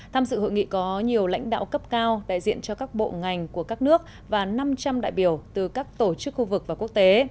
tham dự hội nghị có nhiều lãnh đạo cấp cao đại diện cho các bộ ngành của các nước và năm trăm linh đại biểu từ các tổ chức khu vực và quốc tế